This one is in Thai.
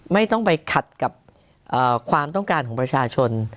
ไม่ต้องไปขัดกับความต้องการของประชาชน